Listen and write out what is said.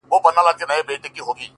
چي ستا به اوس زه هسي ياد هم نه يم!!